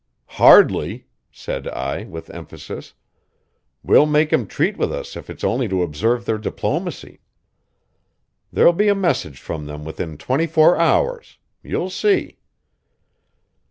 "Hardly," said I with emphasis. "We'll make 'em treat with us if it's only to observe their diplomacy. There'll be a message from them within twenty four hours. You'll see."